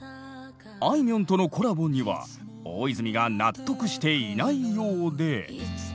あいみょんとのコラボには大泉が納得していないようで。